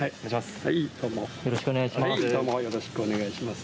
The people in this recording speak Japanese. よろしくお願いします。